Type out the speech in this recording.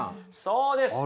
そうです。